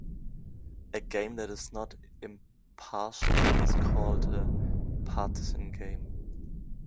A game that is not impartial is called a partisan game.